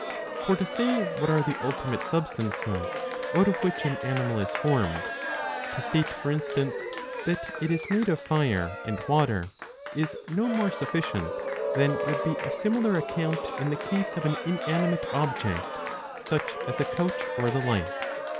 For to say what are the ultimate substances out of which an animal is formed, to state, for instance, that it is made of fire and water, is no more sufficient, than would be a similar account in the case of an inanimate object, such as a couch or the like.